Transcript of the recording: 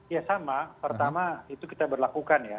ya sama pertama itu kita berlakukan ya